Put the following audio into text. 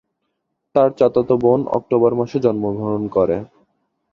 তার চাচাতো বোন অক্টোবর মাসে জন্মগ্রহণ করে।